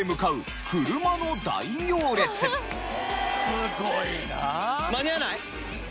すごいな！